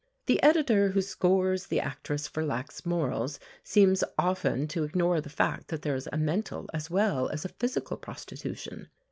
The editor who scores the actress for lax morals seems often to ignore the fact that there is a mental as well as a physical prostitution.